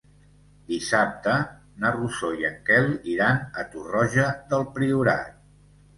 Dissabte na Rosó i en Quel iran a Torroja del Priorat.